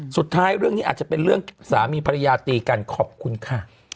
สุดท้ายเรื่องนี้อาจจะเป็นเรื่องสามีภรรยาตีกันขอบคุณค่ะ